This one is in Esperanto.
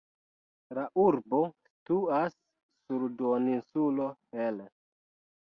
La urbo situas sur duoninsulo Hel.